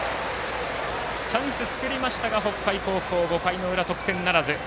チャンス作りましたが、北海高校５回の裏、得点ならず。